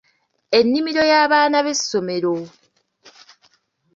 Ennimiro y'abaana b'essomero